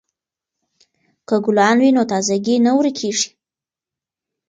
که ګلان وي نو تازه ګي نه ورکیږي.